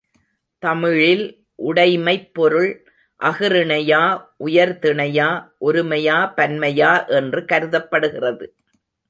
தமிழில் உடைமைப் பொருள் அஃறிணையா உயர் திணையா ஒருமையா பன்மையா என்று கருதப்படுகிறது.